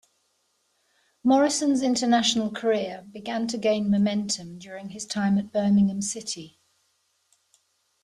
Morrison's international career began to gain momentum during his time at Birmingham City.